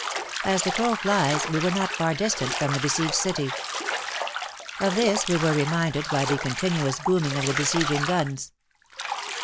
As the crow flies, we were not far distant from the besieged city. Of this we were reminded by the continuous booming of the besieging guns.